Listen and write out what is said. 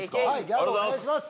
ありがとうございます！